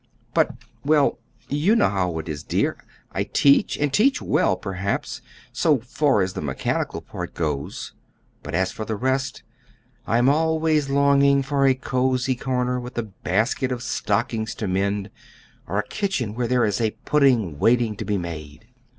But well, you know how it is, dear. I teach, and teach well, perhaps, so far as the mechanical part goes; but as for the rest I am always longing for a cozy corner with a basket of stockings to mend, or a kitchen where there is a pudding waiting to be made."